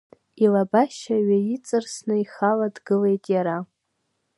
Илабашьа ҩаиҵарсны ихала дгылеит иара.